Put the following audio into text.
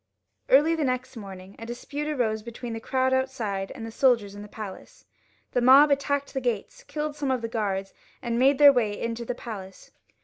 Early the next morning a dispute arose between the crowd outside and the soldiers in the palace. The mob attacked the gates, killed some of the guards, and made their way into the palace.